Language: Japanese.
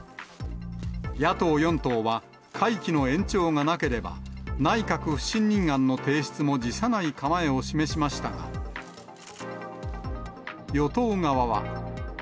野党４党は、会期の延長がなければ、内閣不信任案の提出も辞さない構えを示しましたが、与党側は。